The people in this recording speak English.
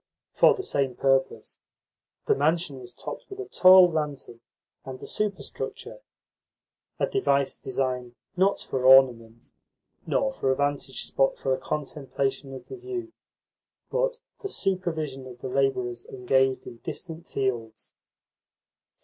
For the same purpose, the mansion was topped with a tall lantern and a superstructure a device designed, not for ornament, nor for a vantage spot for the contemplation of the view, but for supervision of the labourers engaged in distant fields.